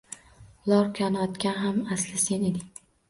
Lorkani otgan ham asli sen eding.